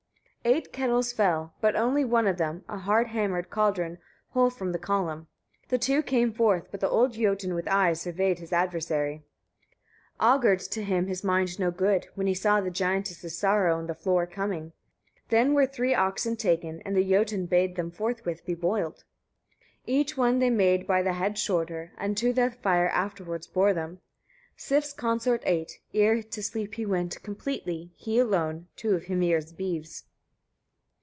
13. Eight kettles fell, but only one of them, a hard hammered cauldron, whole from the column. The two came forth, but the old Jotun with eyes surveyed his adversary. 14. Augured to him his mind no good, when he saw the giantess's sorrow on the floor coming. Then were three oxen taken, and the Jotun bade them forthwith be boiled. 15. Each one they made by the head shorter, and to the fire afterwards bore them. Sif's consort ate, ere to sleep he went, completely, he alone, two of Hymir's beeves.